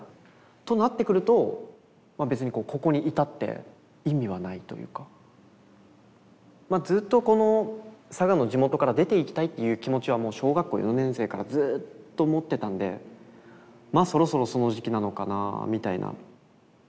となってくるとまあ別にまあずっとこの佐賀の地元から出ていきたいという気持ちはもう小学校４年生からずっと持ってたんでそろそろその時期なのかなみたいな。